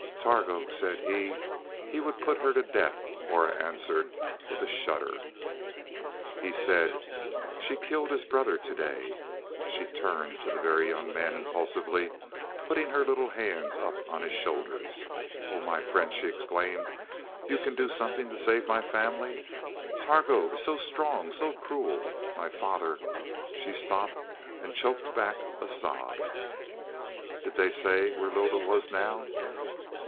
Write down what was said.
"Targo said he he would put her to death," Aura answered with a shudder. "He said she killed his brother to day." She turned to the Very Young Man impulsively, putting her little hands up on his shoulders. "Oh, my friend," she exclaimed. "You can do something to save my family? Targo is so strong, so cruel. My father " She stopped, and choked back a sob. "Did they say where Lylda was now?"